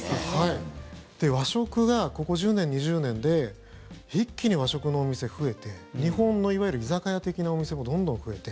で、和食がここ１０年、２０年で一気に和食のお店増えて日本のいわゆる居酒屋的なお店もどんどん増えて。